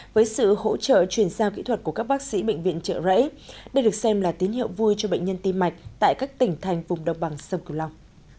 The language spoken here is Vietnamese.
với sự hỗ trợ truyền sao kỹ thuật của các bác sĩ bệnh viện trợ rẫy để được xem là tín hiệu vui cho bệnh nhân tim mạch tại các tỉnh thành vùng đông bằng sông cửu long